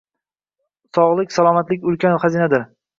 Sog’lik-salomatlik ulkan xazinadir.